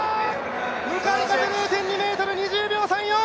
向かい風０．２メートル、２０秒３４！